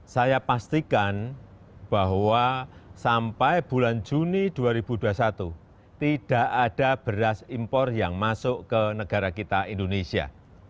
saya pastikan bahwa sampai bulan juni dua ribu dua puluh satu tidak ada beras impor yang masuk ke negara kita indonesia